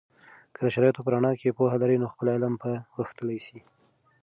که د شرایطو په رڼا کې پوهه لرئ، نو خپل علم به غښتلی سي.